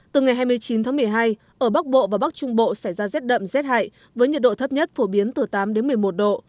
từ ngày hai mươi chín tháng một mươi hai ở bắc bộ và bắc trung bộ xảy ra rét đậm rét hại với nhiệt độ thấp nhất phổ biến từ tám đến một mươi một độ